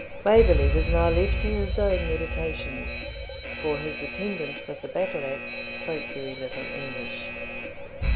Waverley was now left to his own meditations, for his attendant with the battle axe spoke very little English.